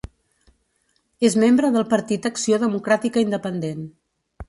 És membre del partit Acció Democràtica Independent.